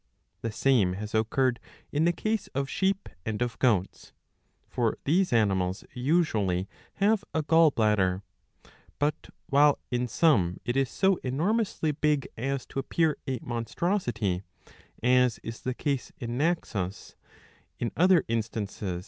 The same has occurred in the. casie of sheep and of goats. For these animals usually have a gall bladder ; but, while in some it is so enormously big as to appear a monstrosity, as is the case in Naxos, in other instances 677a.